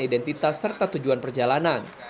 identitas serta tujuan perjalanan